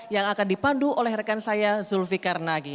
yang akan dipandu oleh rekan saya zulfiqar nagy